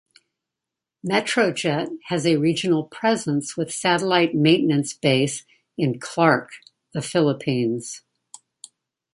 Metrojet has a regional presence with satellite maintenance base in Clark, The Philippines.